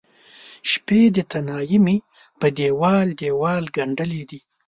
شپې د تنهائې مې په دیوال، دیوال ګنډلې دي